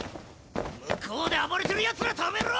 向こうで暴れてる奴ら止めろ！